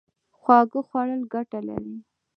خواږه خوړل ګټه لري